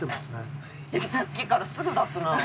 さっきからすぐ出すなあ。